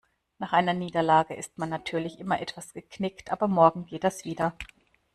Nach einer Niederlage ist man natürlich immer etwas geknickt, aber morgen geht das wieder.